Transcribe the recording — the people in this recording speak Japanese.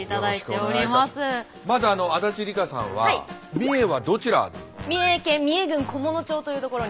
まず足立梨花さんは三重はどちら？という所に。